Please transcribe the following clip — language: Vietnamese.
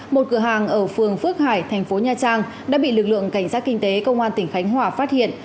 một cửa hàng ở phường phước hải thành phố nha trang đã bị lực lượng cảnh sát kinh tế công an tỉnh khánh hòa phát hiện